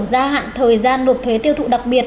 gia hạn thời gian nộp thuế tiêu thụ đặc biệt